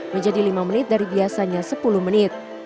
menjadi lima menit dari biasanya sepuluh menit